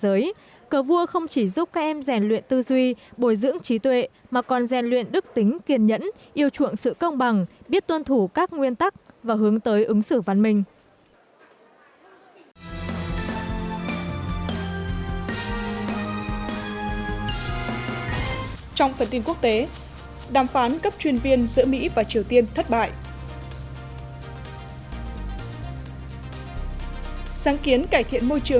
giải cờ vua không chỉ giúp các em rèn luyện tư duy bồi dưỡng trí tuệ mà còn rèn luyện đức tính kiên nhẫn yêu chuộng sự công bằng biết tuân thủ các nguyên tắc và hướng tới ứng xử văn minh